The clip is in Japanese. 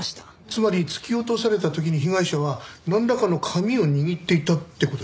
つまり突き落とされた時に被害者はなんらかの紙を握っていたって事ですか？